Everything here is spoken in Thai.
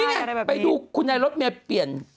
นี่ไงไปดูคุณในรถเมย์เปลี่ยน